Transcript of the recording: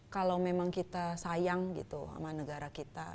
kalau memang kita sayang gitu sama negara kita